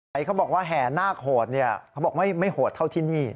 ใครเขาบอกว่าแห่นโง่โหดไม่โหดเท่าที่นี่